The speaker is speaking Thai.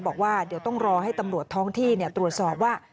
บอกว่าเดี๋ยวต้องรอให้ตำรวจท้องที่ตรวจสอบว่า